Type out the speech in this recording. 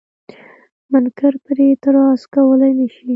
منکر پرې اعتراض کولای نشي.